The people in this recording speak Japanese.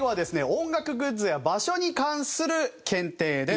音楽グッズや場所に関する検定です。